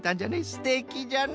すてきじゃな！